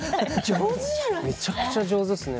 めちゃくちゃお上手ですね。